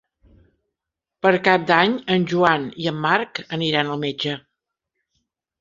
Per Cap d'Any en Joan i en Marc aniran al metge.